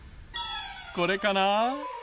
これかな？